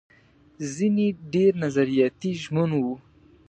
ځينې ډېر نظریاتي ژمن وو.